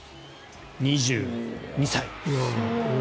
２２歳。